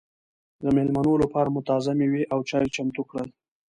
د مېلمنو لپاره مو تازه مېوې او چای چمتو کړل.